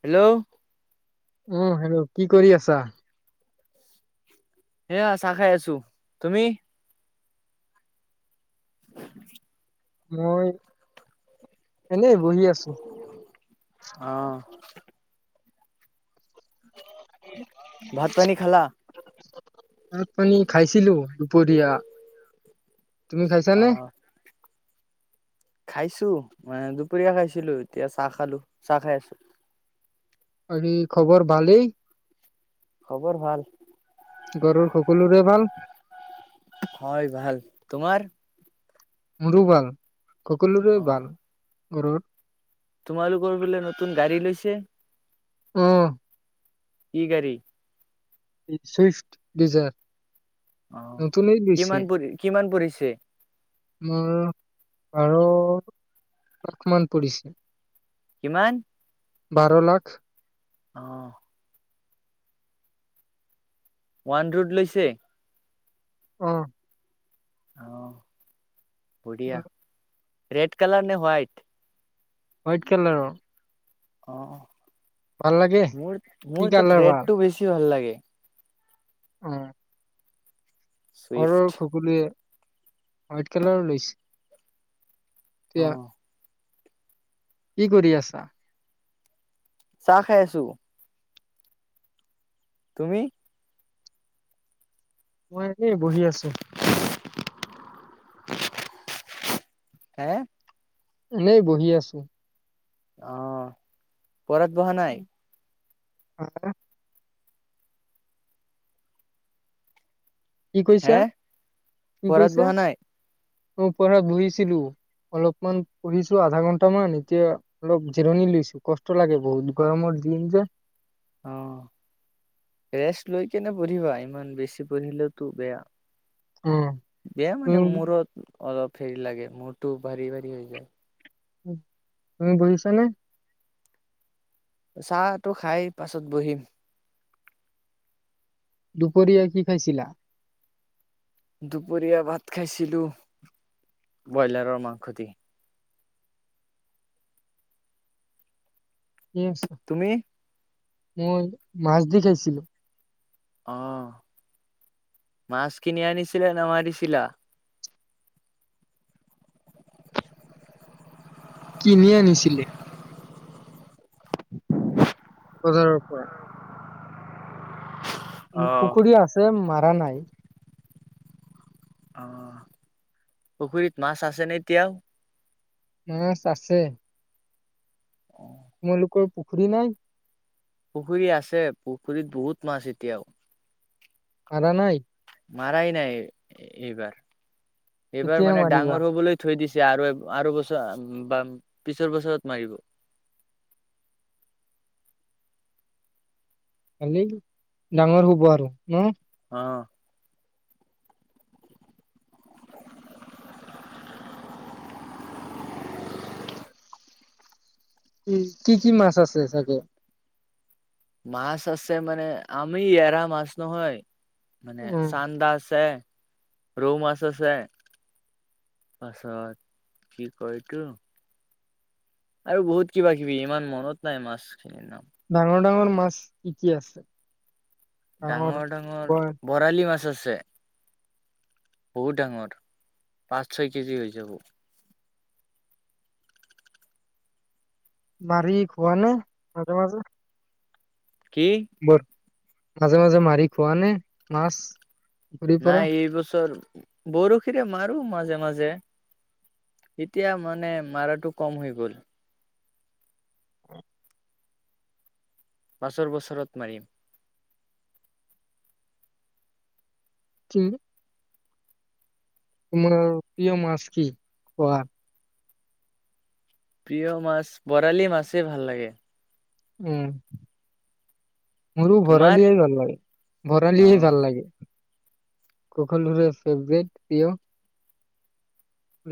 Hello. অ', hello কি কৰি আছা? এইয়া চাহ খাই আছো, তুমি? [inaudible] মই, এনেই বহি আছোঁ। অ'। ভাত পানী খালা? ভাত পানী খাইছিলোঁ, দুপৰীয়া। তুমি খাইছা নে? খাইছোঁ, মানে দুপৰীয়া খাইছিলোঁ, এতিয়া চাহ খালোঁ, চাহ খাই আছোঁ। আৰি খবৰ ভালেই? খবৰ ভাল। ঘৰৰ সকলোৰে ভাল? হয়, ভাল, তোমাৰ? মোৰো ভাল। ককলোৰে অ' ভাল। ঘৰত তোমালোকৰ বোলে নতুন [unintelligible] অ'। কি গাড়ী? ইট, চুইফট ডিজাৰ। অ' নতুনেই লৈছে। কিমান পৰি, কিমান পৰিছে? মোৰ বাৰ লাখ মান পৰিছে। কিমান? বাৰ লাখ। অ'। ওৱান ৰোড লৈছে? অ'। অ'। বঢ়িয়া। ৰেড কালাৰ নে হোৱাইট? হোৱাইট কালাৰৰ। অ', ভাল লাগে? অ'। মোৰ, কি মোৰ তাত কালাৰ ৰেডটো বেছি ভাল লাগে। [inaudible] উম। চুইফ্ট। ঘৰৰ খকলোৰে হোৱাইট কালাৰৰ লৈছে। অ'। এতিয়া কি কৰি আছা? চাহ খাই আছোঁ। তুমি? মই এনেই বহি আছোঁ। হে। এনেই বহি আছো। অহ। ঘৰত বহা নাই? আ। কি হে কৈছা, কি পঢ়াত কৈছা? বহা নাই মই পঢ়াত বহিছিলোঁ, অলপমান পঢ়িছোঁ আধা ঘন্টামান। এতিয়া অলপ জিৰণি লৈছোঁ কষ্ট লাগে বহুত গৰমৰ দিন যে। অ' ৰেষ্ট লৈ কেনে পঢ়িবা, ইমান বেছি পঢ়িলেওতো বেয়া। অ বেয়া তুমি মানে মোৰত।। অলপ হেৰি লাগে মূৰটো ভাৰি ভাৰি হৈ যায়। তুমি বুজিছা নে? চাহটো খাই পাছত বহিম। দুপৰীয়া কি খাইছিলা? দুপৰীয়া ভাত খাইছিলোঁ, ব্ৰইলাৰৰ মাংস দি। তুমি [inaudible] মই মাছ দি খাইছিলোঁ। আহ মাছ কিনি আনিছিলে নে মাৰিছিলা? কিনি আনিছিলি? বজাৰৰ পৰা। উম, অ পুখুৰী আছে মা মাৰা নাই। অহ, পুখুৰীত মাছ আছেনে এতিয়াও? মাছ আছে। অ। তোমালোকৰ পুখুৰী নাই? পুখুৰী আছে পুখুৰীত বহুত মাছ এতিয়াও। মাৰা নাই? মাৰাই নাই, এইবাৰ। এইবাৰ কেতিয়া মানে মাৰিবা ডাঙৰ হ'বলৈ থৈ দিছে। আৰু আৰু বছৰ বা পিছৰ বছৰত মাৰিব। খালি ডাঙৰ হ'ব আৰু ন? অ। উ, কি কি মাছ আছে চাগে? মাছ আছে মানে আমি এৰা মাছ নহয়। মানে উম চান্দা আছে। ৰৌ মাছ আছে পাছত কি কয় এইটো? আৰু বহুত কিবা কিবি ইমান মনত নাই মাছ খিনিৰ নাম। ডাঙৰ ডাঙৰ মাছ কি কি আছে? ডাঙৰ ডাঙৰ ব বৰালি মাছ আছে। যে। বহুত ডাঙৰ পাঁচ ছয় কেজি হৈ যাব। মাৰি খোৱা নে মাজে মাজে? কি? বৰ মাজে মাজে মাৰি খোৱা নে মাছ? পুখুৰী পৰা নাই এইবছৰ। বৰশীৰে মাৰো মাজে মাজে, এতিয়া মানে মাৰাটো কম হৈ গ'ল। পাছৰ বছৰত মাৰিম। কিম তোমাৰ প্ৰিয় মাছ কি? কোৱা। প্ৰিয় মাছ বৰালি মাছে ভাল লাগে। উম। মোৰো তোমাৰ? বৰালিয়ে ভাল লাগে, বৰালিয়ে অ'। ভাল লাগে। সকলোৰে ফেভাৰিট প্ৰিয়।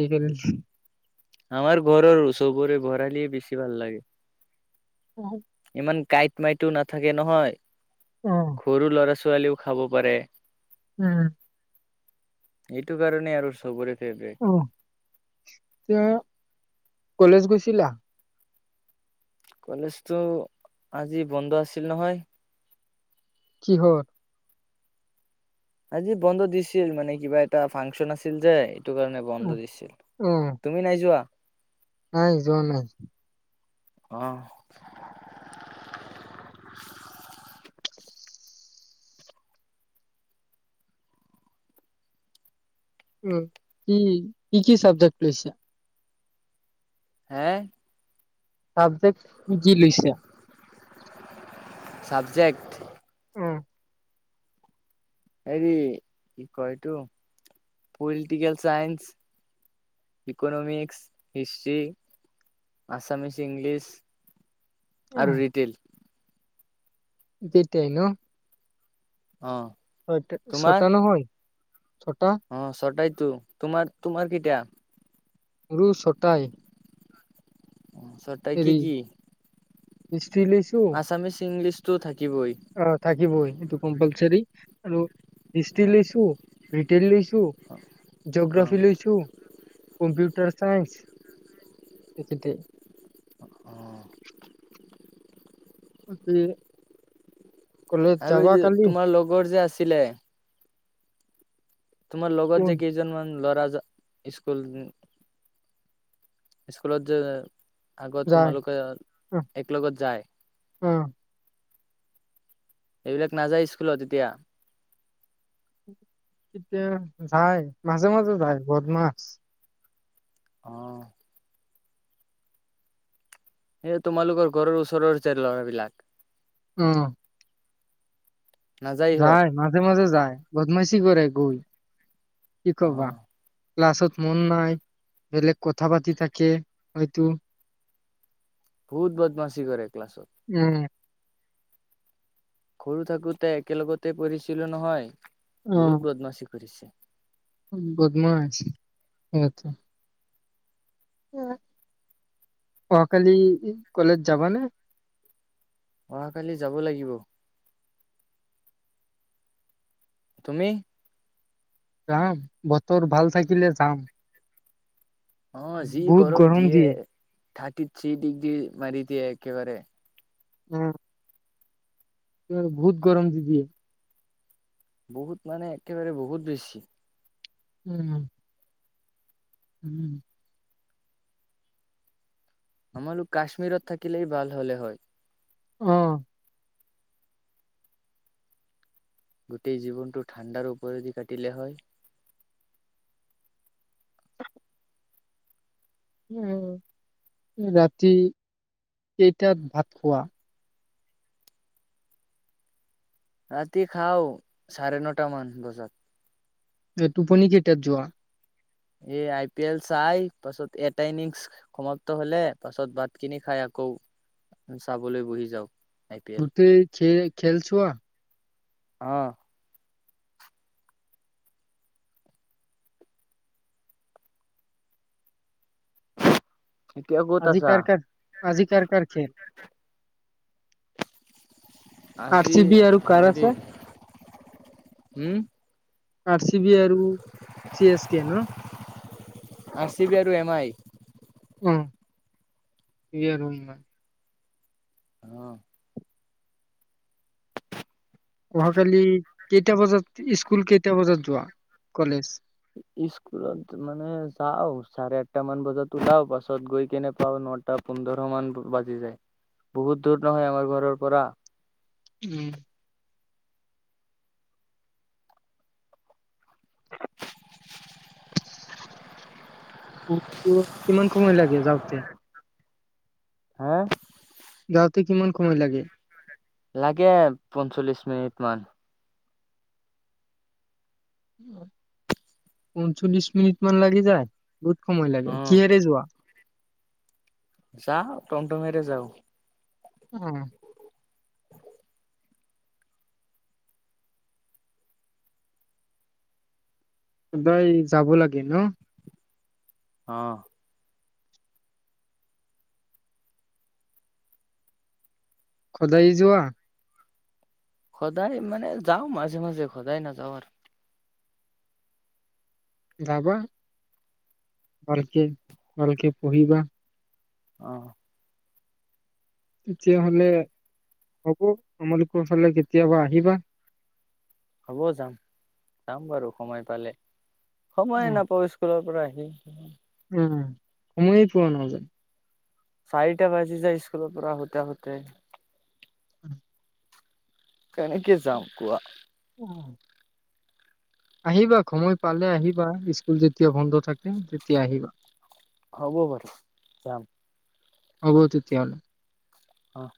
ৰিভেল আমাৰ ঘৰৰ চবৰে বৰালিয়ে বেছি ভাল লাগে। ইমান [unintelligible] কাঁইট, মাইটো নাথাকে নহয়? অ সৰু ল'ৰা ছোৱালীয়েও খাব পাৰে। উম। সেইটো কাৰণে আৰু চবৰে। ফেভৰেট অহ। [unintelligible] কলেজ গৈছিলা? কলেজটো আজি বন্ধ আছিল নহয়? কিহৰ? আজি বন্ধ দিছিল মানে কিবা এটা ফাংচন আছিল যে। সেইটো কাৰণে বন্ধ দিছিল। অ তুমি নাই যোৱা? নাই, যোৱা নাই। অহ। উম, কি? কি কি চাবজেক্ট লৈছা? হে! চাবজেক্ট কি কি লৈছা? চাবজেক্ট। হেৰি, কি কয় এইটো political science, economics, history, Assamese, English. আৰু ৰিটেইল। বিতেই ন? অ হয়, তোমাৰ ছটা নহয়? ছটা অ', ছটাইতো। তোমাৰ? তোমাৰ কেইটা? মোৰো ছটাই। অ', ছটাই কি হেৰি কি? [unintelligible] আচামিছ, ইংলিছ টো থাক অ', থাকিবই সেইটো কম্পালচাৰি আৰু হিষ্ট্ৰী লৈছো, ৰিটেল লৈছ আৰু অ অ জগ্ৰাফি লৈছো কম্পিউটাৰ চাইেন্ঞ্চ [unintelligible] অহ। [unintelligible] আৰু এই যাবা যে কালি তোমাৰ লগৰ যে আছিলে।। তোমাৰ লগত যে, কোন কেইজনমান ল'ৰাজন ইস্কুল ইস্কুলত যে আগত যায় তোমালোকে অ এক লগত যায়। অ সেইবিলাক নাযায় স্কুলত এতিয়া? কেতিয়া যায় মাজে, মাজে যায় বদমাছ। অহ! সেই তোমালোকৰ ঘৰৰ ওচৰৰ যে ল'ৰা বিলাক।। উম, নাযায় ইহঁত যায় মাজে মাজে যায়। বদমাচী কৰে গৈ। কি অ কবা। ক্লাছত মন নাই, বেলেগ কথা পাতি থাকে সেই টো। বহুত বদ মচী কৰে ক্লাছত। উম, সৰু থাকোতে একেলগতে পঢ়িছিলো নহয়।। বহুত বদমাচী কৰে। কৰিছে। বদমচ সিহঁতে। কোৱা অহাকালি কলেজ যাবানে? অহাকালি যাব লাগিব। তুমি? যাম, বতৰ ভাল থাকিলে যাম। অ যি গৰম দিয়ে থাৰ্টি থ্ৰী ডিগ্ৰী মাৰি দিয়ে। একেবাৰে। উম, ওম বহুত গৰম দিয়ে। বহুত মানে একেবাৰে বহুত বেছি।। উম, উম [inaudible] আমাৰো কাশ্মীৰত থাকিলেই ভাল হলে হয়। উম গোটেই জীৱনটো ঠাণ্ডাৰ ওপৰেদি কাটিলে হয়! উ ৰাতি কেইটাত ভাত খোৱা। ৰাতি খাওঁ চাৰে নটা মান বজাত টোপনি কেইটাত যোৱা এ আই পি এল চাই পাছত এটা ইনিংছ সমাপ্ত হলে পাছত ভাতখিনি খাই আকৌ চাবলৈ বহি যাওক গোটেই খে খেল চোৱা! আহ। এতিয়া ক'ত আজি আছা কাৰ কাৰ আজি কাৰ কাৰ খেল আৰ আজি চি বি আৰু কাৰ হেৰি আছে উম! আৰ চি বি আৰু চি এছ কে ন আৰ চি বি আৰু এম আই উম ইয়ে ৰুম হয় আহ অহাকালি কেইটা বজাত স্কুল কেইটা বজাত যোৱা কলেজ। স্কুলত মানে যাওঁ চাৰে আঠটা মান বজাত উলাও পাছত গৈ কেনে পাও নটা পোন্ধৰ মান বাজি যায় বহুত দূৰ নহয় আমাৰ ঘৰৰ পৰা! উম উম কিমান সময় লাগে যাওঁতে, হা যাওঁতে কিমান সময় লাগে। লাগে পঞ্চল্লিশ মিনিট মান, পঞ্চল্লিশ মিনিট মান লাগি যায়। বহুত সময় লাগে অ কিহেৰে যোৱা, যাওঁ টমটমেৰে যাওঁ! উম! সদায় যাব লাগে ন অহ! সদায় যোৱা। সদায় মানে যাওঁ মাজে মাজে সদায় নাযাওঁ আৰু, যাবা ভালকে ভালকে পঢ়িবা। অহ, তেতিয়াহ'লে হ'ব আমালোকৰ ফালে কেতিয়াবা আহিবা। হ'ব যাম যাম বাৰু সময় পালে, সময়ে উম। নাপাওঁ স্কুলৰ পৰা আহি! [unintelligible] উম সময়ে পোৱা নাযায়। চাৰিটা বাজি যায় স্কুলৰ পৰা আহোতে আহোতে কেনেকে যাম কোৱা। উম! আহিবা সময় পালে আহিবা স্কুল যেতিয়া বন্ধ থাকে তেতিয়া আহিবা, হ'ব বাৰু যাম। হ'ব তেতিয়াহ'লে, অহ!